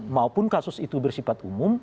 maupun kasus itu bersifat umum